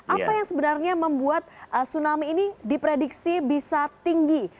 apa yang sebenarnya membuat tsunami ini diprediksi bisa tinggi